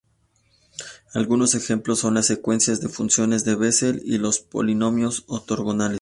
Algunos ejemplos son las secuencias de funciones de Bessel y los polinomios ortogonales.